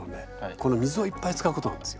この水をいっぱい使うことなんですよ。